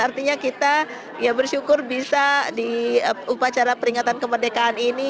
artinya kita ya bersyukur bisa di upacara peringatan kemerdekaan ini